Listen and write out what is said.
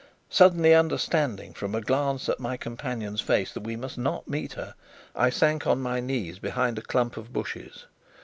Suddenly understanding from a glance at my companion's face that we must not meet her, I sank on my knees behind a clump of bushes.